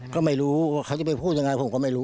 ก็ไม่รู้ว่าเขาจะไปพูดยังไงผมก็ไม่รู้